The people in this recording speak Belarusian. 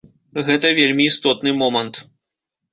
Гэта вельмі істотны момант.